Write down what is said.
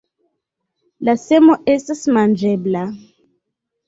La semo estas manĝebla.